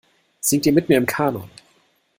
Singt ihr mit mir im Kanon?